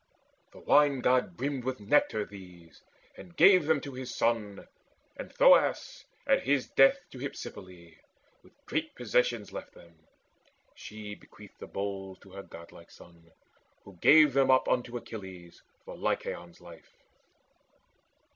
The Wine god brimmed With nectar these, and gave them to his son; And Thoas at his death to Hypsipyle With great possessions left them. She bequeathed The bowls to her godlike son, who gave them up Unto Achilles for Lycaon's life.